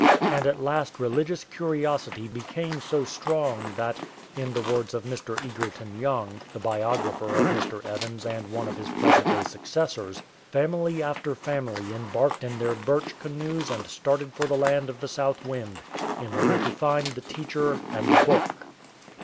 And at last religious curiosity became so strong that, in the words of Mr. Egerton Young, the biographer of Mr. Evans and one of his present day successors, "family after family embarked in their birch canoes and started for the land of the South Wind, in order to find the teacher and the Book.''